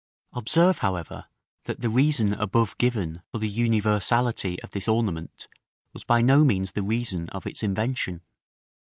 § XIV. Observe, however, that the reason above given for the universality of this ornament was by no means the reason of its invention.